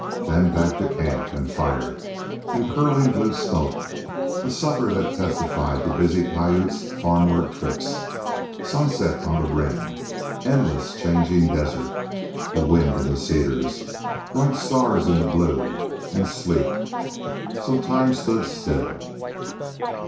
Then back to camp and fire and curling blue smoke, a supper that testified to busy Piute's farmward trips, sunset on the rim, endless changing desert, the wind in the cedars, bright stars in the blue, and sleep so time stood still.